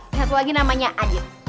dan satu lagi namanya adit